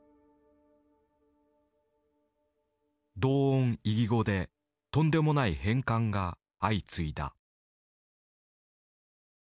同音異義語でとんでもない変換が相次いだ。